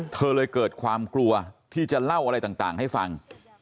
เธอเลยเกิดความกลัวที่จะเล่าอะไรต่างให้ฟัง